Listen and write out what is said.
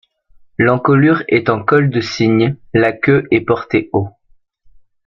L'encolure est en col de cygne, la queue est portée haut.